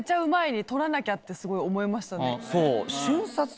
すごい思いましたね。